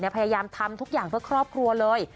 พยายามทำทุกอย่างเพื่อครอบครัวเลย